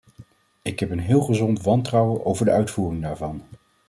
Ik heb een heel gezond wantrouwen over de uitvoering daarvan.